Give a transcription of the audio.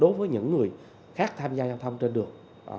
đối với những người khác tham gia giao thông trên đường